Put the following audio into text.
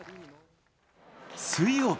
水曜日。